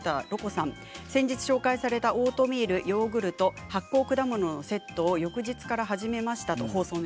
先日紹介されたオートミールヨーグルト、発酵果物のセットを翌日から始めました。